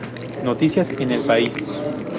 Noticias en El País